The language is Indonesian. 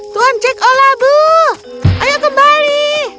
tuan jack o' labu ayo kembali